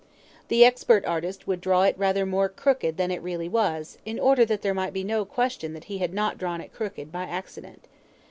The expert artist would draw it rather more crooked than it really was, in order that there might be no question that he had not drawn it crooked by accident.